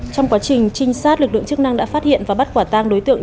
trong quá trình trinh sát lực lượng chức năng đã phát hiện và bắt quả tang đối tượng